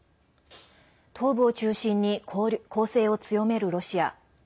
東部を中心に攻勢を強めるロシア。